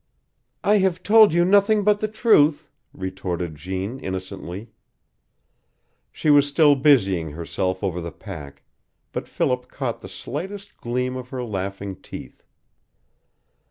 "I have told you nothing but the truth," retorted Jeanne, innocently. She was still busying herself over the pack, but Philip caught the slightest gleam of her laughing teeth.